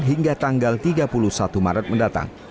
hingga tanggal tiga puluh satu maret mendatang